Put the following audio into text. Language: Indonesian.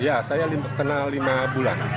ya saya kenal lima bulan